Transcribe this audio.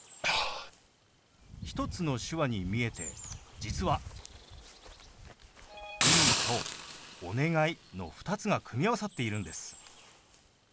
１つの手話に見えて実は「いい」と「お願い」の２つが組み合わさっているんです。